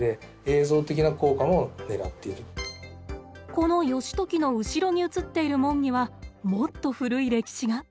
この義時の後ろに映っている門にはもっと古い歴史が。